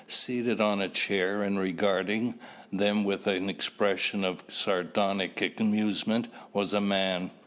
Seated on a chair and regarding, them with an expression of sardonic amusement was a man.